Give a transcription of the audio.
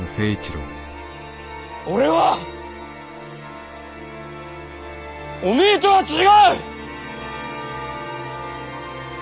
俺はおめぇとは違う！